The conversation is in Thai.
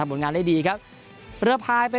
ผลงานได้ดีครับเรือพายไป